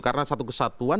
karena satu kesatuan